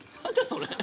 それ。